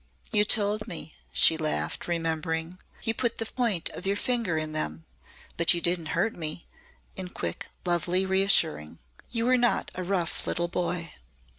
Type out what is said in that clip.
"You told me," she laughed, remembering. "You put the point of your finger in them. But you didn't hurt me," in quick lovely reassuring. "You were not a rough little boy."